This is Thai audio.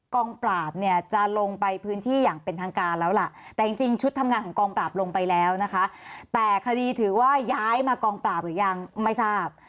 กองปราบเนี่ยจะลงไปพื้นที่อย่างเป็นทางการแล้วล่ะแต่จริงชุดทำงานของกองปราบลงไปแล้วนะคะแต่คดีถือว่าย้ายมากองปราบหรือยังไม่ทราบ